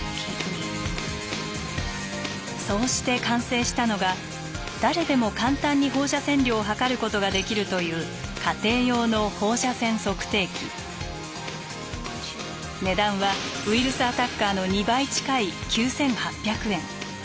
そうして完成したのが誰でも簡単に放射線量を測ることができるという値段はウィルスアタッカーの２倍近い９，８００円。